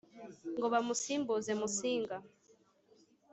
ngo bamusimbuze Musinga